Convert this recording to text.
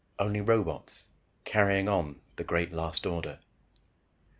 Only robots, carrying on the last great order.